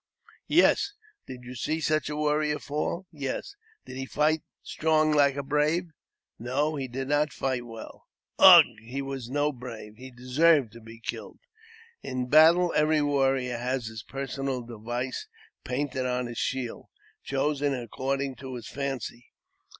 '' Yes." " Did you see such a warrior fall? " Yes." " Did he fight strong like a brave ?"" No, he did not fight well." " Ugh ! he w^as no brave ; he deserved to be killed." In battle every warrior has his personal device painted on his shield, chosen according to his fancy.